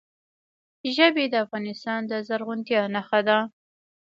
ژبې د افغانستان د زرغونتیا نښه ده.